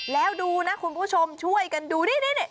แล้วดูนะคุณผู้ชมช่วยกันดูนี่